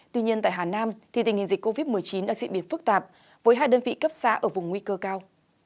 tuy nhiên tại hà nam tình hình dịch covid một mươi chín đã diễn biến phức tạp với hai đơn vị cấp xã ở vùng nguy cơ cao